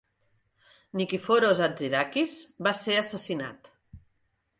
Nikiforos Hatzidakis va ser assassinat.